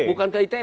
bukan ke ite